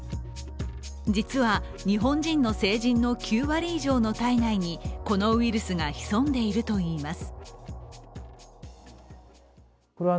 実は、日本人の成人の９割以上の体内にこのウイルスが潜んでいるといいます。